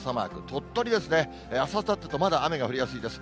鳥取ですね、あす、あさってとまだ雨が降りやすいです。